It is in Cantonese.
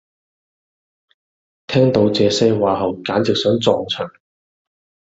聽到這些話後簡直想撞牆